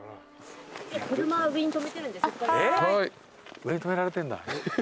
上に止められてんだ。